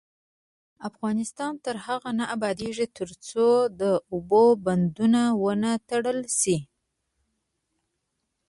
افغانستان تر هغو نه ابادیږي، ترڅو د اوبو بندونه ونه تړل شي.